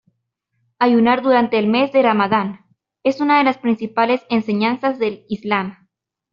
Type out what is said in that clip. Ayunar durante el mes de Ramadán es una de las principales enseñanzas del Islam.